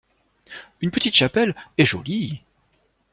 Une petite chapelle, et jolie.